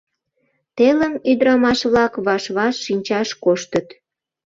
Телым ӱдырамаш-влак ваш-ваш шинчаш коштыт.